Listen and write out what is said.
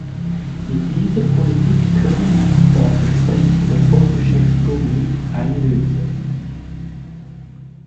Mit dieser Politik können sie das Versprechen der Vollbeschäftigung nicht einlösen.